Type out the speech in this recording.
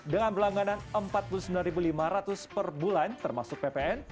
dengan berlangganan rp empat puluh sembilan lima ratus per bulan termasuk ppn